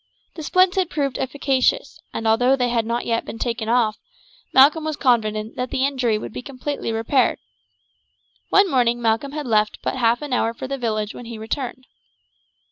The splints had proved efficacious, and although they had not yet been taken off, Malcolm was confident that the injury would be completely repaired. One morning Malcolm had left but half an hour for the village when he returned.